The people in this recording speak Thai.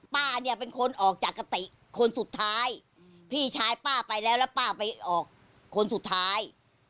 ป้าเนี่ยเป็นคนออกจากกติคนสุดท้ายพี่ชายป้าไปแล้วแล้วป้าไปออกคนสุดท้าย